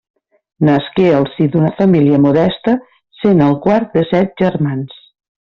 Nasqué al si d'una família modesta sent el quart de set germans.